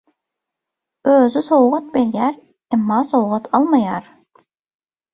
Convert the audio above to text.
Özi sowgat berýär, emma sowgat almaýar.